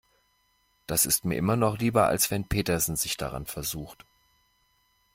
Das ist mir immer noch lieber, als wenn Petersen sich daran versucht.